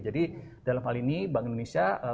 jadi dalam hal ini bank indonesia berkomitmen untuk diberikan